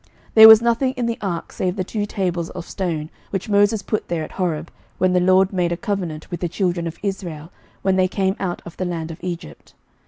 11:008:009 There was nothing in the ark save the two tables of stone, which Moses put there at Horeb, when the LORD made a covenant with the children of Israel, when they came out of the land of Egypt.